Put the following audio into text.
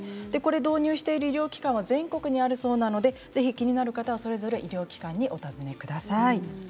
導入している医療機関は全国にあるそうなのでぜひ気になる方はそれぞれ医療機関にお尋ねください。